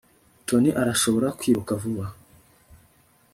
tony arashobora kwiruka vuba